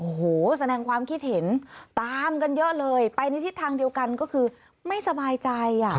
โอ้โหแสดงความคิดเห็นตามกันเยอะเลยไปในทิศทางเดียวกันก็คือไม่สบายใจอ่ะ